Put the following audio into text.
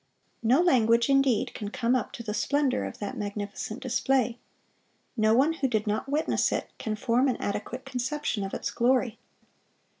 (555) "No language, indeed, can come up to the splendor of that magnificent display; ... no one who did not witness it can form an adequate conception of its glory.